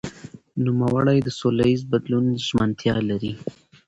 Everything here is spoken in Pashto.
نوموړي د سولهییز بدلون ژمنتیا لري.